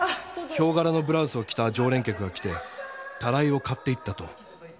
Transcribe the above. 豹柄のブラウスを着た常連客が来てたらいを買っていったと。